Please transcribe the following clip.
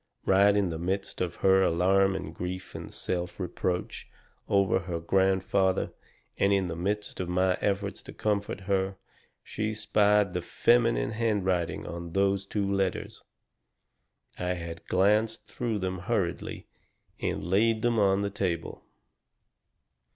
Right in the midst of her alarm and grief and self reproach over her grandfather, and in the midst of my efforts to comfort her, she spied the feminine handwriting on those two letters. I had glanced through them hurriedly, and laid them on the table.